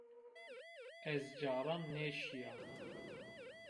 Ez caran nêşîya